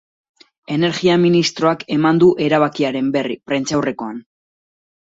Energia ministroak eman du erabakiaren berri, prentsaurrekoan.